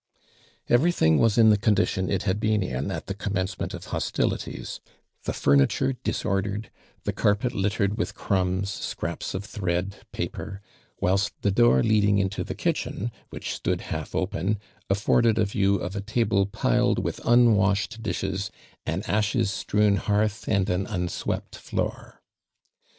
Everything was in tlie condition it luid been in at tlie commencement of hostilities, the furniture disordered, tlie carpet littered with crumbs, scraps of thread, paper, wliilst , the door leading into the kitchen whioli stood half oi)en, aflbrded a vi(;w of a table piled with unwashed dishes, an ashes strewn hearth and an unswopt floor.